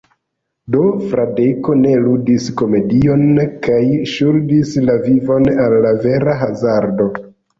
Do Fradeko ne ludis komedion, kaj ŝuldis la vivon al vera hazardo.